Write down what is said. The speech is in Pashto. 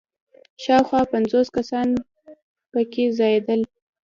شاوخوا پنځوس کسان په کې ځایېدل.